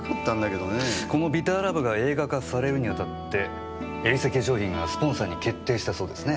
この『ＢｉｔｔｅｒＬｏｖｅ』が映画化されるにあたってエリセ化粧品がスポンサーに決定したそうですね？